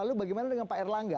lalu bagaimana dengan pak erlangga